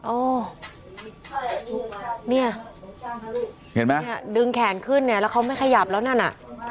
อ๋อเนี่ยเห็นไหมเนี่ยดึงแขนขึ้นเนี่ยแล้วเขาไม่ขยับแล้วนั่นน่ะ